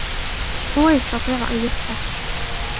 هو يستطيع أن يسبح.